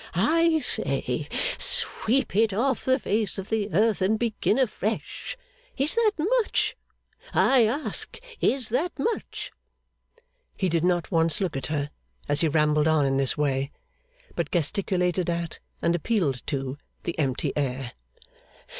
I say, sweep it off the face of the earth and begin afresh. Is that much? I ask, is that much?' He did not once look at her, as he rambled on in this way; but gesticulated at, and appealed to, the empty air.